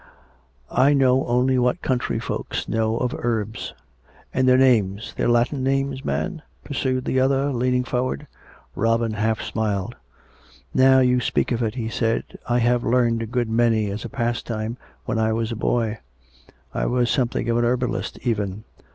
" I know only what country folks know of herbs." " And their names — their Latin names, man ?" pursued the other, leaning forward. Robin half smiled. " Now you speak of it," he said, " I have learned a good many, as a pastime, when I was a boy, I was something of a herbalist, even.